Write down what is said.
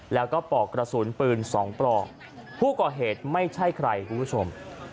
แล้วก็ปลอกกระสุนปืน๒ปลอกผู้ก่อเหตุไม่ใช่ใครคุณผู้ชม